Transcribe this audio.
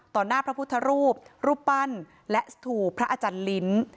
หน้าพระพุทธรูปรูปปั้นและสถูพระอาจารย์ลิ้น